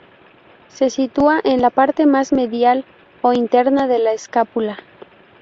Se sitúa en la parte más medial o interna de la escápula.